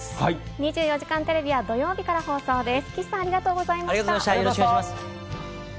２４時間テレビは土曜日から放送です。